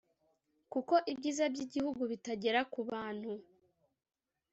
kuko ibyiza by’igihugu bitagera ku bantu